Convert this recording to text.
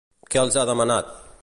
Què els ha demanat?